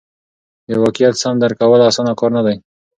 د واقعیت سم درک کول اسانه کار نه دی.